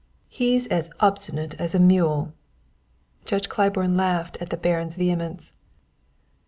"He's as obstinate as a mule!" Judge Claiborne laughed at the Baron's vehemence.